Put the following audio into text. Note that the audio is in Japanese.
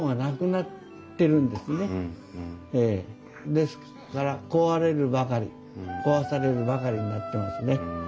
ですから壊れるばかり壊されるばかりになってますね。